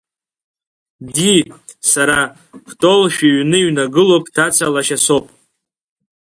Ди, сара, Кәтол шәыҩны иҩнагылоу бҭаца лашьа соуп.